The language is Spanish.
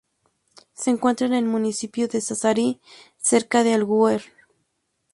Se encuentra en el municipio de Sassari, cerca de Alguer.